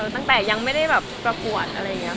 ตั้งแต่ยังไม่ได้แบบประกวดอะไรอย่างนี้ค่ะ